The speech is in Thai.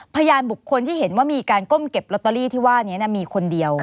พยานบุคคลที่เห็นว่ามีการก้มเก็บลอตเตอรี่ที่ว่านี้มีคนเดียว